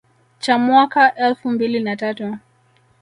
cha mwaka elfu mbili na tatu